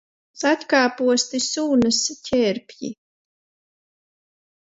Zaķkāposti, sūnas, ķērpji.